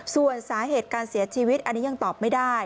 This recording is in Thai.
ส่วนสาเหตุการเสียชีวิตอันนี้ยังตอบไม่ได้